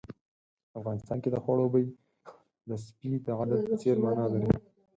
افغانستان کې د خوړو بوي کول د سپي د عادت په څېر مانا لري.